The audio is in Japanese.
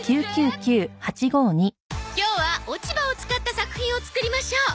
今日は落ち葉を使った作品を作りましょう。